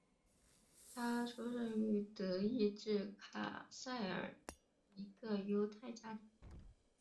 他出生于德意志卡塞尔一个犹太家庭。